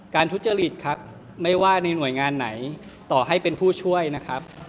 ทุจริตครับไม่ว่าในหน่วยงานไหนต่อให้เป็นผู้ช่วยนะครับ